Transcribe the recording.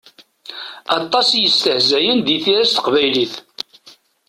Aṭas i yestehzayen di tira s teqbaylit.